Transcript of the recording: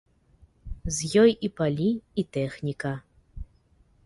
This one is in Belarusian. З ёй і палі, і тэхніка.